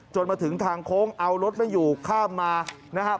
มาถึงทางโค้งเอารถไม่อยู่ข้ามมานะครับ